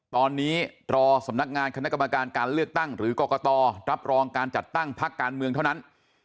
ตอนนี้รอสำนักงานคณะกรรมการการเลือกตั้งหรือกรกตรับรองการจัดตั้งพักการเมืองเท่านั้น